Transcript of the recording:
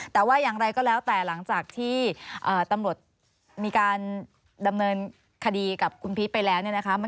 แต่ว่าอย่างไรก็แล้วแต่หลังจากที่ตำรวจมีการดำเนินคดีกับคุณพีชไปแล้วเนี่ยนะคะ